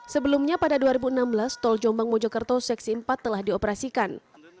sebelumnya pada dua ribu enam belas tol jombang mojokerto seksi empat telah dioperasikan